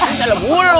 ini dalam hulu